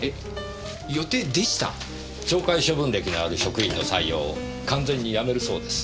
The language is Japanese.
懲戒処分歴のある職員の採用を完全にやめるそうです。